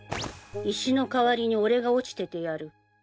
石の代わりに俺が落ちててやる。